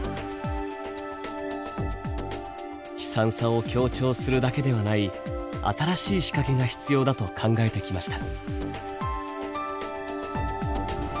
悲惨さを強調するだけではない新しい仕掛けが必要だと考えてきました。